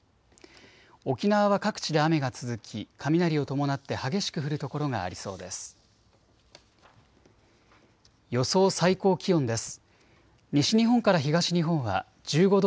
沖縄は各地で雨が続き雷を伴って激しく降る所がありそうです。